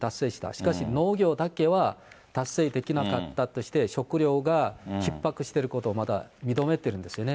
しかし、農業だけは達成できなかったということで、食料がひっ迫していることを認めているんですよね。